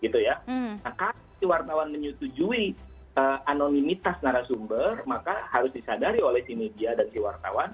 nah kalau si wartawan menyetujui anonimitas narasumber maka harus disadari oleh si media dan si wartawan